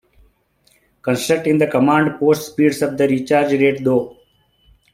Constructing the Command post speeds up the recharge rate though.